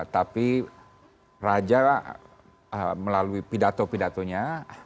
tapi raja melalui pidato pidatonya